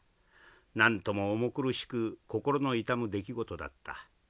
なんとも重苦しく心の痛む出来事だった。